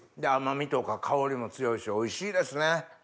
甘みとか香りも強いしおいしいですね。